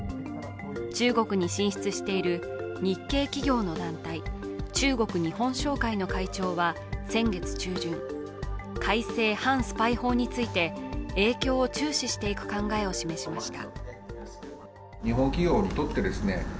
中国に進出している日系企業の団体、中国日本商会の会長は先月中旬、改正反スパイ法について影響を注視していく考えを示しました。